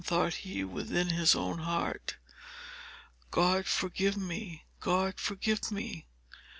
thought he, within his own heart. "God forgive me! God forgive me!"